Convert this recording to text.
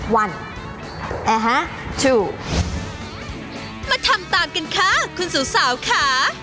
มาทำตามกันค่ะคุณสุสาวค่ะ